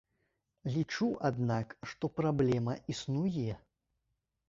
Лічу, аднак, што праблема існуе.